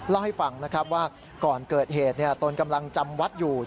เล่าให้ฟังนะครับว่าก่อนเกิดเหตุตนกำลังจำวัดอยู่